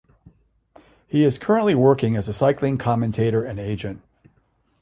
He is currently working as a cycling commentator and agent.